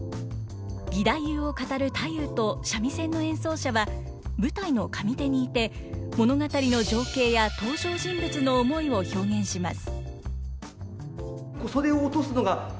義太夫を語る太夫と三味線の演奏者は舞台の上手にいて物語の情景や登場人物の思いを表現します。